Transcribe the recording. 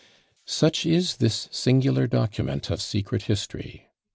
Such is this singular document of secret history.